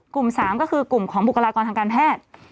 กลุ่ม๓ก็คือกลุ่มของบุคลากรทางการแพทย์